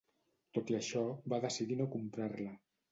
Tot i això, va decidir no comprar-la.